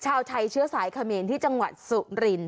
ชาวไทยเชื้อสายเขมรที่จังหวัดสุริน